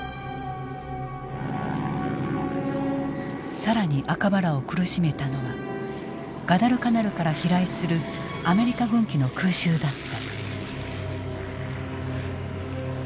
更に赤羽らを苦しめたのはガダルカナルから飛来するアメリカ軍機の空襲だった。